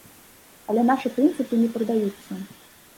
Але нашы прынцыпы не прадаюцца.